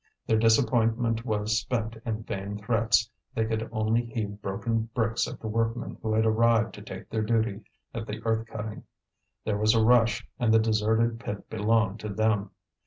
Their disappointment was spent in vain threats; they could only heave broken bricks at the workmen who had arrived to take their duty at the earth cutting. There was a rush, and the deserted pit belonged to them.